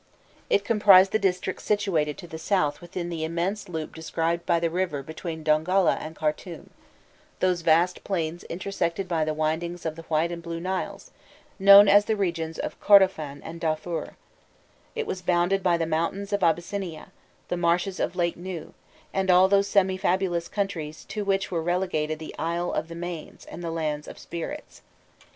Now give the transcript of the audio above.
It comprised the districts situated to the south within the immense loop described by the river between Dongola and Khartoum, those vast plains intersected by the windings of the White and Blue Niles, known as the regions of Kordofan and Darfur; it was bounded by the mountains of Abyssinia, the marshes of Lake Nû, and all those semi fabulous countries to which were relegated the "Isles of the Manes" and the "Lands of Spirits."